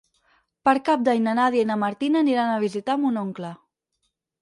Per Cap d'Any na Nàdia i na Martina aniran a visitar mon oncle.